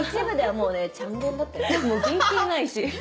もう原形ないし。